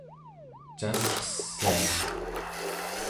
casqessia?